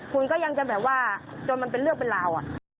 คุณก็ยังจะแบบว่าจนมันเป็นเรื่องเป็นราว